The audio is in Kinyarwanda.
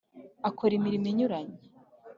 Akora imirimo inyuranye.